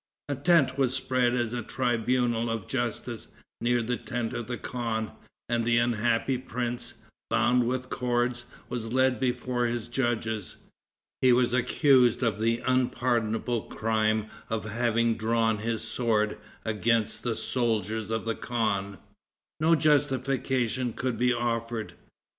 A tent was spread as a tribunal of justice, near the tent of the khan; and the unhappy prince, bound with cords, was led before his judges. He was accused of the unpardonable crime of having drawn his sword against the soldiers of the khan. No justification could be offered.